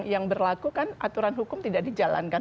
yang berlaku kan aturan hukum tidak dijalankan